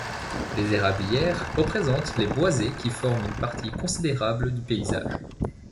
Les érablières représentent les boisés qui forment une partie considérable du paysage.